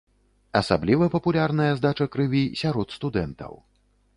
Асабліва папулярная здача крыві сярод студэнтаў.